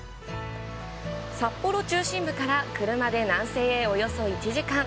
札幌中心部から車で南西へおよそ１時間。